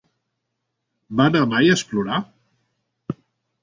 Va anar mai a explorar?